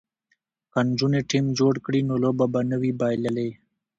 که نجونې ټیم جوړ کړي نو لوبه به نه وي بایللې.